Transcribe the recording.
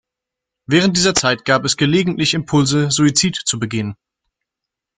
Während dieser Zeit gab es gelegentlich Impulse Suizid zu begehen.